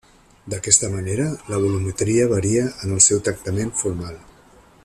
D'aquesta manera, la volumetria varia en el seu tractament formal.